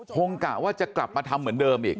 กะว่าจะกลับมาทำเหมือนเดิมอีก